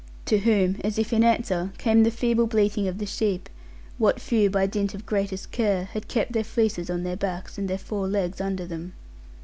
To whom, as if in answer, came the feeble bleating of the sheep, what few, by dint of greatest care, had kept their fleeces on their backs, and their four legs under them.